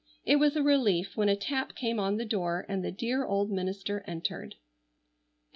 It was a relief when a tap came on the door and the dear old minister entered.